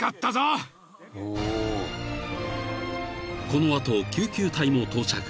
［この後救急隊も到着］